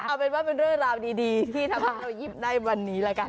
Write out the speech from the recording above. เอาเป็นว่าเป็นเรื่องราวดีที่ทำให้เรายิ้มได้วันนี้ละกัน